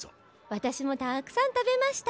わたしもたくさん食べました。